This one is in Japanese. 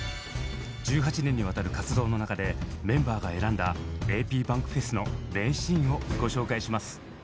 １８年にわたる活動の中でメンバーが選んだａｐｂａｎｋｆｅｓの名シーンをご紹介します。